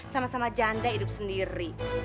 sama sama janda hidup sendiri